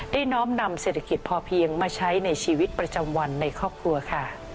น้อมนำเศรษฐกิจพอเพียงมาใช้ในชีวิตประจำวันในครอบครัวค่ะ